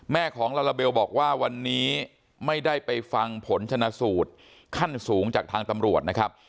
ของลาลาเบลบอกว่าวันนี้ไม่ได้ไปฟังผลชนะสูตรขั้นสูงจากทางตำรวจนะครับ